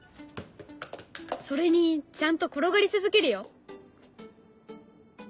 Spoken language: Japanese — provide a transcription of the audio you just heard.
それにちゃんと転がり続けるよ。